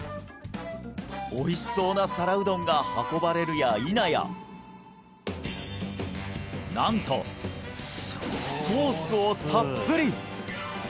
おいしそうな皿うどんが運ばれるやいなやなんとソースをたっぷり！